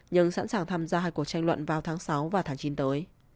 nhưng sẵn sàng tham gia hai cuộc tranh luận vào tháng sáu và tháng chín tới